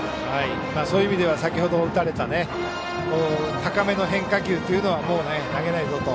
そういう意味では先程打たれた高めの変化球は、もう投げないぞと。